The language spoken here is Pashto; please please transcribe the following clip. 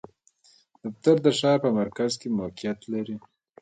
دفتر د ښار په مرکز کې موقعیت لری